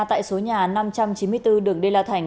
tại số nhà năm trăm chín mươi bốn đường đê la thành